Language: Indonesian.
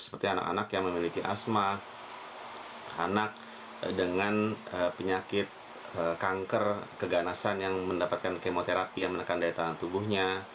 seperti anak anak yang memiliki asma anak dengan penyakit kanker keganasan yang mendapatkan kemoterapi yang menekan daya tahan tubuhnya